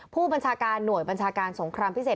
ผู้บัญชาการหน่วยบัญชาการสงครามพิเศษ